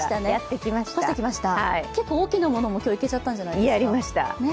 大きなものも今日、いけちゃったんじゃないですか？